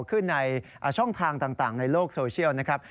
ขึ้นในช่องทางต่างในโลกโซเชียลนะครับ